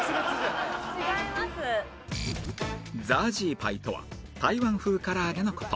ザージーパイとは台湾風唐揚げの事